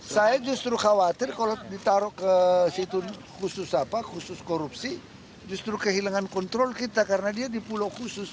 saya justru khawatir kalau ditaruh ke situ khusus korupsi justru kehilangan kontrol kita karena dia di pulau khusus